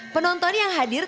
penonton yang hadir